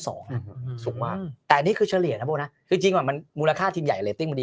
สุดมากแต่นี่คือเฉลี่ยนะพวกนะคือจริงมันมูลค่าทีมใหญ่